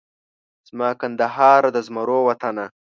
زما کندهاره د زمرو وطنه